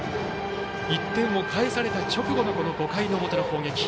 １点を返された直後の５回の表の攻撃。